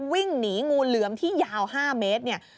วิ่งหนีงูเหลือมที่ยาว๕เมตรเนี่ย